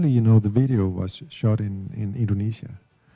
sebenarnya video itu dibuat di indonesia